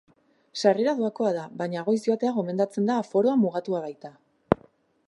Sarrera doakoa da, baina goiz joatea gomendatzen da aforoa mugatua baita.